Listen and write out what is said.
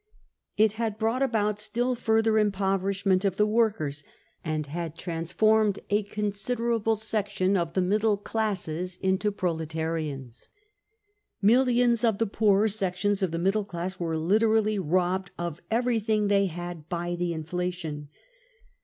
* t It had brought about still further impoverishment of the workers, and had transformed a considerable section of the middle classes into proletarians. Millions of the poorer sections of the middle class were literally robbed of every thing they had by the inflation.